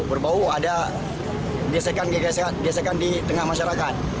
berbau ada gesekan gesekan di tengah masyarakat